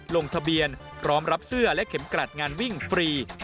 ลงทะเบียนพร้อมรับเสื้อและเข็มกลัดงานวิ่งฟรี